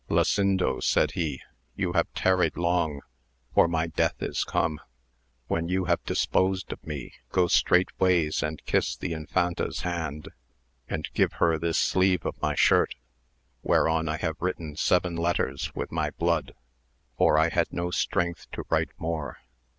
Lasindo, said he, you have tarried long, for my death is come. When you have disposed of me go straightways and kiss the Infanta's hand, and give her this sleeve of my shirt, whereon I have written seven letters with my blood, for I had no strength to write more.